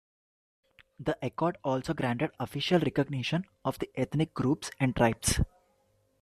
The accord also granted official recognition of the ethnic groups and tribes.